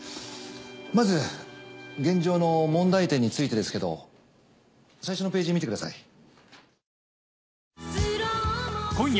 まず現状の問題点についてですけど最初のページ見てください。